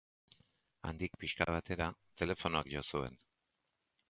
Handik pixka batera, telefonoak jo zuen.